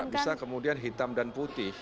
bisa kemudian hitam dan putih